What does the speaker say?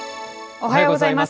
おはようございます。